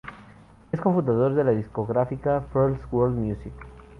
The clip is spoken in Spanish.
Es cofundador de la discográfica First World Music.